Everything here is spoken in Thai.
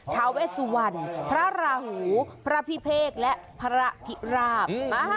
ทาเวสวรรณพระราหูพระพิเภกและพระพิราบ